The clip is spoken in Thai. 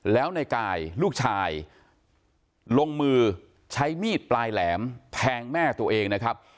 แล้วในกายลูกชายลงมือใช้มีดปลายแหลมแทงแม่ตัวเองนะครับ